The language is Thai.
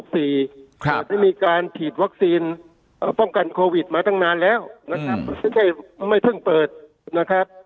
ได้มีการฉีดวัคซีนป้องกันโควิดมาตั้งนานแล้วนะครับไม่ใช่ไม่เพิ่งเปิดนะครับ